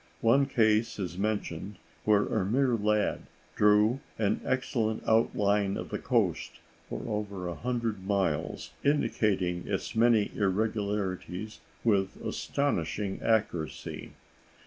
One case is mentioned where a mere lad drew an excellent outline of the coast for over a hundred miles, indicating its many irregularities with astonishing accuracy.